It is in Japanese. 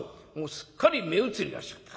すっかり目移りをしちゃった。